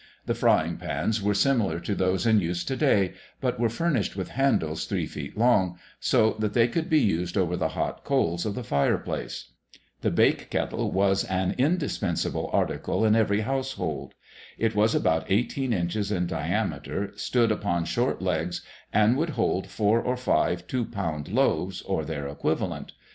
The frying pans were similar to those in use to day, but were furnished with handles three feet long, so that they could be used over the hot coals of the fire place. The bake kettle was an indispensable article in every household. It was about eighteen inches in diameter, stood upon short legs, and would hold four or five two pound loaves, or their equivalent.